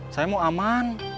saya mau aman